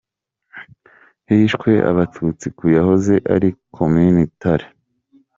Hishwe abatutsi ku yahoze ari Komini Tare.